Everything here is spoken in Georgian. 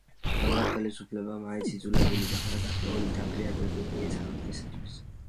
მაგრამ ხელისუფლება მაინც იძულებული გახდა გარკვეული დაპირებები მიეცა ხალხისათვის.